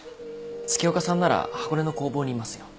月岡さんなら箱根の工房にいますよ。